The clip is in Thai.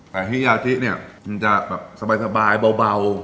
แต่ฮิยาธิเนี่ยมันจะแบบสบายเบา